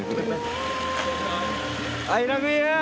アイラブユー！